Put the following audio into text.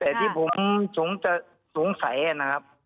แต่ผมสงสัยนะครับ